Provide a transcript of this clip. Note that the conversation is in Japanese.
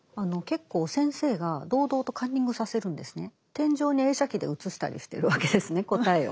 天井に映写機で映したりしてるわけですね答えを。